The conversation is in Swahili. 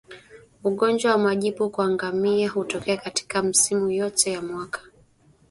Ugonjwa wa majipu kwa ngamia hutokea katika misimu yote ya mwaka